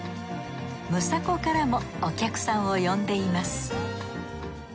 ムサコからもお客さんを呼んでいます